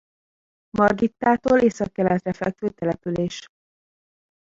Margittától északkeletre fekvő település.